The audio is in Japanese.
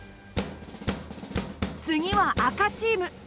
次は赤チーム。